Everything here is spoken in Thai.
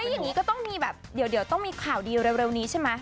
คืออย่างนี้ก็ต้องมีแบบเดี๋ยวต้องมีข่าวดีเร็วนี้ใช่ไหม